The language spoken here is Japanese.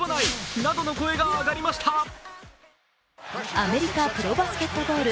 アメリカプロバスケットボール